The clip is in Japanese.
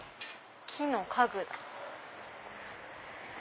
木の家具だ。